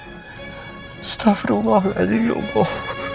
astagfirullahaladzim ya allah